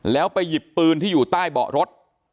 แล้วไปหยิบปืนที่อยู่ใต้เบาะรถ